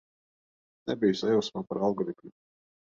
Nebiju sajūsmā par algoritmu.